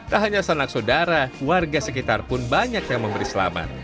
tak hanya sanak saudara warga sekitar pun banyak yang memberi selamat